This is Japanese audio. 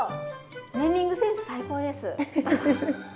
ネーミングセンス最高です！